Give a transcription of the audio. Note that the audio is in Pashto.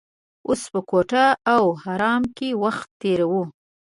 اوس په کوټه او حرم کې وخت تیروو.